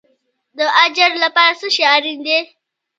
د اجر لپاره څه شی اړین دی؟